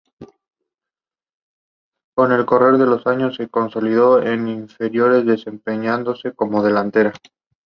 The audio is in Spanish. Se dedicó al comercio y logró reunir una importante fortuna.